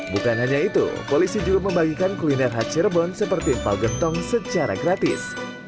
bukan hanya itu polisi juga membagikan kuliner khas cirebon seperti empal gentong secara gratis